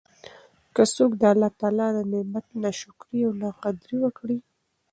که څوک د الله د نعمت نا شکري او نا قدري وکړي